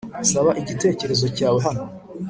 saba igitekerezo cyawe hano